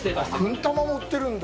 くんたまも売ってるんだ。